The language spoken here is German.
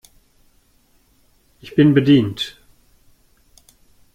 Ich bin bedient.